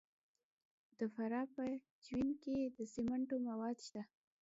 د فراه په جوین کې د سمنټو مواد شته.